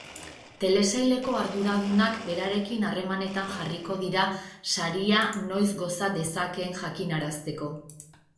Telesaileko arduradunak berarekin harremanetan jarriko dira saria noiz goza dezakeen jakinarazteko.